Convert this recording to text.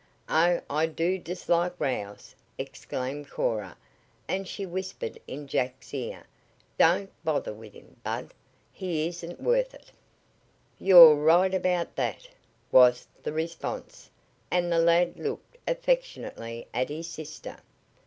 "Oh, I do dislike rows!" exclaimed Cora, and she whispered in Jack's ear: "Don't bother with him, Bud. He isn't worth it." "You're right about that," was the response, and the lad looked affectionately at his sister.